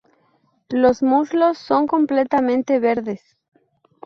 Los muslos son completamente verdes.